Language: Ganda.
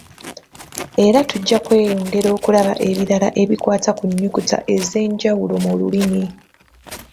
Era tujja kweyongera okulaba ebirala ebikwata ku nnyukuta ez'enjawulo mu lulimi.